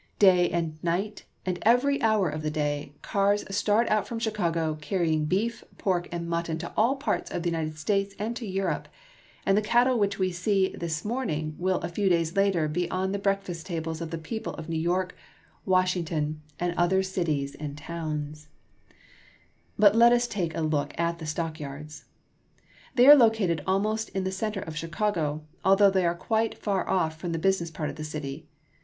Day and night, and every hour of the day, cars start out from Chicago, carrying beef, pork, and mutton to all parts of the United States and to Europe ; and the cattle which we see this morning will a few days later be on the break fast tables of the people of New York, Washington, and other cities and towns. 230 CHICAGO. The Stock Yards. But let us take a look at the stock yards. They are located almost in the center of Chicago, although they are quite far off from the business part of the city.